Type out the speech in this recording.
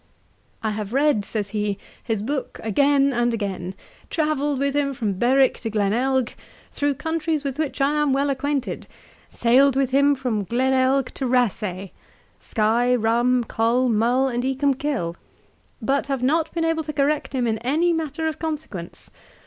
'I have read (says he,) his book again and again, travelled with him from Berwick to Glenelg, through countries with which I am well acquainted; sailed with him from Glenelg to Rasay, Sky, Rum, Col, Mull, and Icolmkill, but have not been able to correct him in any matter of consequence.